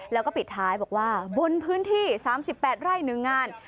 แล้วก็ปิดท้ายบอกว่าบนพื้นที่๓๘ไร่๑งาน